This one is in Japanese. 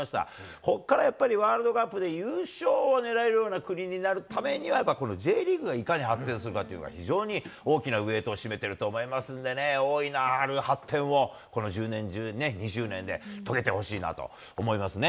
ここからやっぱり、ワールドカップで優勝を狙えるような国になるためには、やっぱりＪリーグがいかに発展するかというのが、非常に大きなウエートを占めてると思いますんでね、大いなる発展を、この１０年、２０年で遂げてほしいなと思いますね。